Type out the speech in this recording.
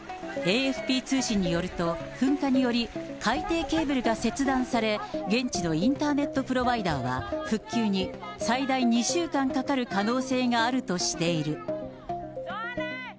ＡＦＰ通信によると、噴火により海底ケーブルが切断され、現地のインターネットプロバイダーは、復旧に最大２週間かかる可能性があるとしている。